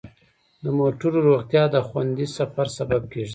د موټرو روغتیا د خوندي سفر سبب کیږي.